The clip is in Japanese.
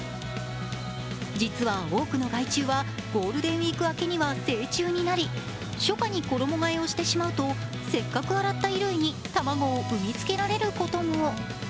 実は、多くの害虫はゴールデンウイーク明けには成虫になり初夏に衣がえをしてしまうと、せっかく洗った衣類に卵を産みつけられることも。